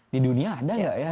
di dunia ada nggak ya